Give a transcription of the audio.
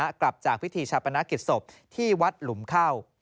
กลับจากพิธีชาปนกิจศพที่วัดหลุมเข้า